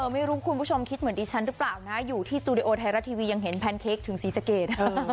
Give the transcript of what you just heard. ไม่รู้คุณผู้ชมคิดเหมือนดิฉันหรือเปล่านะอยู่ที่สตูดิโอไทยรัฐทีวียังเห็นแพนเค้กถึงศรีสะเกด